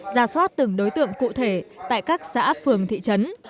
ra soát từng đối tượng cụ thể tại các xã phường thị trấn